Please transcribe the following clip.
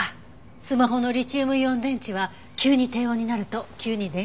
スマホのリチウムイオン電池は急に低温になると急に電圧が下がる。